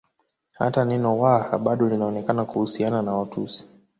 Hata neno Waha bado lilionekana kuhusiana na Watusi